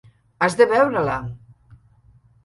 Has de veure-la.